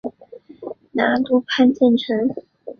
拿督潘健成